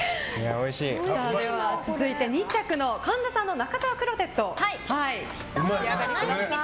続いて、２着の神田さんの中沢クロテッドお召し上がりください。